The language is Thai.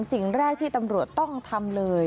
สิ่งแรกที่ตำรวจต้องทำเลย